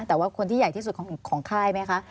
แต่ว่าคนที่ใหญ่ที่สุดของค่ายไหมคะ